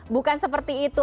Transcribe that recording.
bukan seperti itu